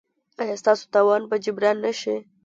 ایا ستاسو تاوان به جبران نه شي؟